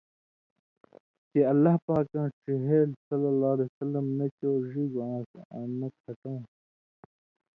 چے اللہ پاکاں ڇِہېلوۡ ﷺ ، نہ چو ڙِگوۡ آن٘س آں نہ کھٹؤں۔